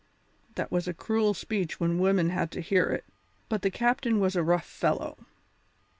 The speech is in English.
That was a cruel speech when women had to hear it, but the captain was a rough fellow.